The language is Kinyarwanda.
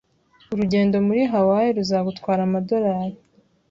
Urugendo muri Hawaii ruzagutwara amadorari